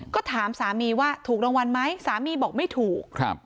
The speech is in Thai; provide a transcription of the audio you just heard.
ก็ถามสามีว่าถูกรางวัลไหมสามีบอกไม่ถูกครับ